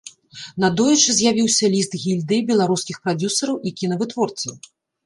Надоечы з'явіўся ліст гільдыі беларускіх прадзюсараў і кінавытворцаў.